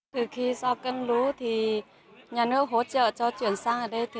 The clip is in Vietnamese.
từ khi do cân lũ nhà nước hỗ trợ cho chuyển sang ở đây